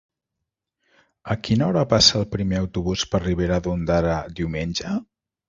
A quina hora passa el primer autobús per Ribera d'Ondara diumenge?